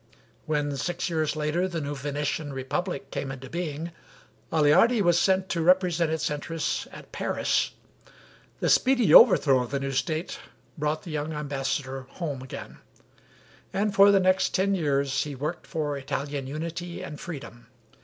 When six years later the new Venetian republic came into being, Aleardi was sent to represent its interests at Paris. The speedy overthrow of the new State brought the young ambassador home again, and for the next ten years he worked for Italian unity and freedom.